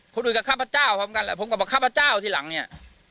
คนอื่นก็ข้าพเจ้าผมก็บอกข้าพเจ้าที่หลังเนี่ย